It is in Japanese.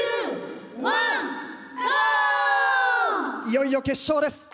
いよいよ決勝です。